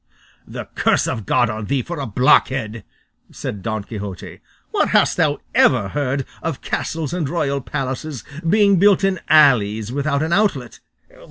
"The curse of God on thee for a blockhead!" said Don Quixote; "where hast thou ever heard of castles and royal palaces being built in alleys without an outlet?"